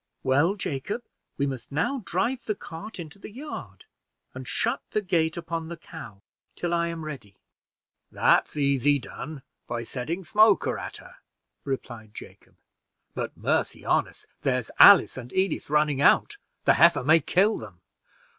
"Well, Jacob, we must now drive the cart into the yard, and shut the gate upon the cow, till I am ready." "That's easy done, by setting Smoker at her," replied Jacob; "but, mercy on us, there's Alice and Edith running out! the heifer may kill them.